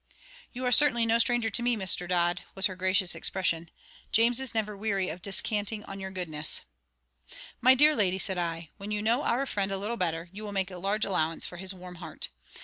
"You are certainly no stranger to me, Mr. Dodd," was her gracious expression. "James is never weary of descanting on your goodness." "My dear lady," said I, "when you know our friend a little better, you will make a large allowance for his warm heart.